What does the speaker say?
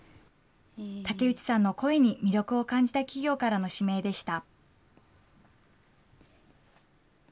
竹内さんの声に魅力を感じた企業からの指名でした。